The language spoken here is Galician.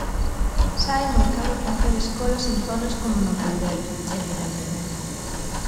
Sae moi caro facer escolas en zonas como no Courel, evidentemente.